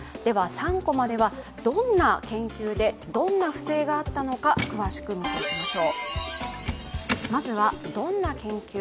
３コマでは、どんな研究でどんな不正があったのか詳しく見ていきましょう。